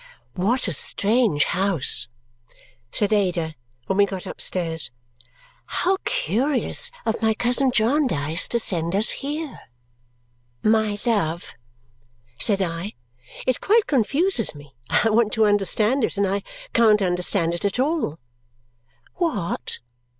"What a strange house!" said Ada when we got upstairs. "How curious of my cousin Jarndyce to send us here!" "My love," said I, "it quite confuses me. I want to understand it, and I can't understand it at all." "What?"